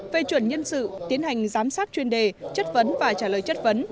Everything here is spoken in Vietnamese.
về chuẩn nhân sự tiến hành giám sát chuyên đề chất vấn và trả lời chất vấn